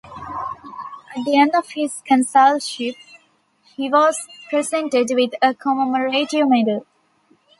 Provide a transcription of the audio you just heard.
At the end of his consulship, he was presented with a commemorative medal.